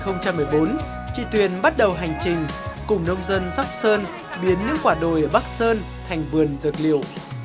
năm hai nghìn một mươi bốn chị tuyền bắt đầu hành trình cùng nông dân sóc sơn biến những quả đồi ở bắc sơn thành vườn dược liệu